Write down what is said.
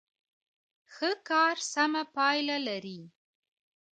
ښه کار سمه پایله لري.